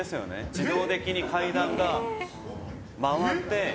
自動的に階段が回って。